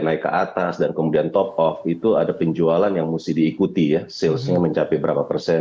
naik ke atas dan kemudianavier lima ada pengejualan yang mesti diikuti ia sesuai mencapai berapa persen